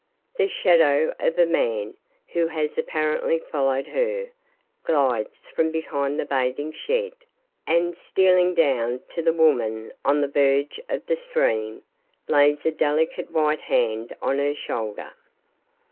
The shadow of a man, who has apparently followed her, glides from behind the bathing shed, and stealing down to the woman on the verge of the stream, lays a delicate white hand on her shoulder.